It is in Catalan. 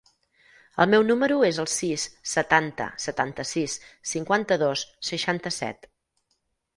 El meu número es el sis, setanta, setanta-sis, cinquanta-dos, seixanta-set.